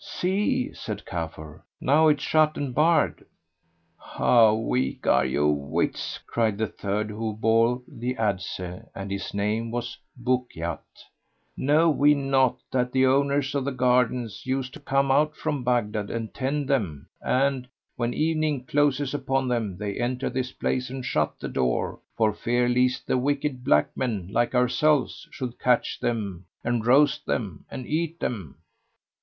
'' "See," said Kafur, "now it is shut and barred." "How weak are your wits!" cried the third who bore the adze and his name was Bukhayt,[FN#87] "know ye not that the owners of the gardens use to come out from Baghdad and tend them; and, when evening closes upon them, they enter this place and shut the door, for fear lest the wicked blackmen, like ourselves, should catch them; and roast 'em and eat 'em."